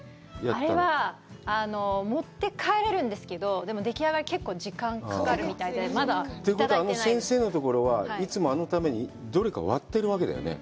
あれは、持って帰れるんですけど、でも、でき上がりは結構時間がかかるみたいで、まだいただいてないです。ということは、先生のところは、いつも、あのためにどれか割っているわけだよね。